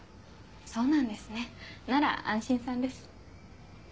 そうなんですねなら安心さんです。